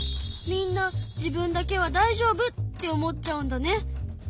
みんな自分だけは大丈夫って思っちゃうんだね。